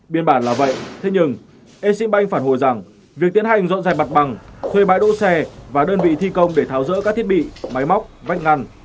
biên bản là vậy thế nhưng exim bank phản hồi rằng việc tiến hành dọn dẹp mặt bằng thuê bãi đỗ xe và đơn vị thi công để tháo rỡ các thiết bị máy móc vách ngăn